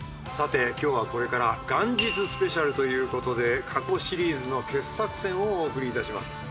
さて今日はこれから元日スペシャルということで過去シリーズの傑作選をお送りいたします。